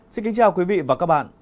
xin kính chào quý vị và các bạn